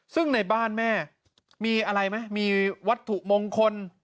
ซึ่งในบ้านแม่มีอะไรไหมมีวัตถุมงคล